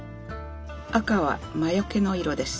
赤は魔よけの色です。